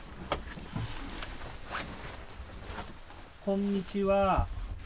こんにちは。